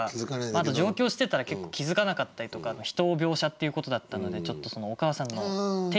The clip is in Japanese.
あと上京してたら結構気付かなかったりとか人を描写っていうことだったのでちょっとそのお母さんの手に注目して。